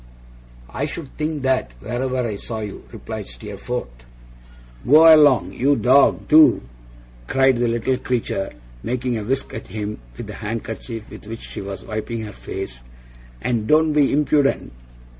'I should think that, wherever I saw you,' replied Steerforth. 'Go along, you dog, do!' cried the little creature, making a whisk at him with the handkerchief with which she was wiping her face, 'and don't be impudent!